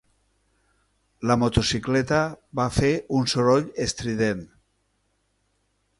La motocicleta va fer un soroll estrident.